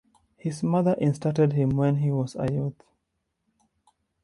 His mother instructed him when he was a youth.